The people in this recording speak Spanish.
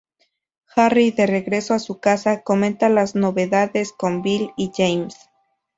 Harry, de regreso a su casa, comenta las novedades con Bill y James.